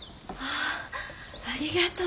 あありがとう！